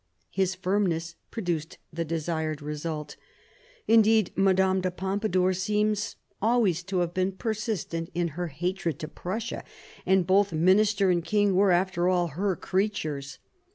His firmness produced the result desired. Indeed Madame de Pompadour seems always to have been persistent in her hatred to Prussia, and both minister and king were, after all, her creatures.